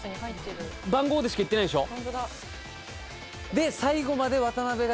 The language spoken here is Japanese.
番号でしかいってないでしょ。